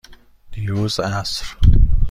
دیروز عصر.